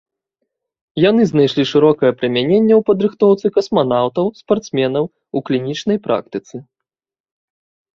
Яны знайшлі шырокае прымяненне ў падрыхтоўцы касманаўтаў, спартсменаў, у клінічнай практыцы.